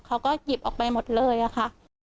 เขาก็หยิบออกไปหมดเลยอะค่ะ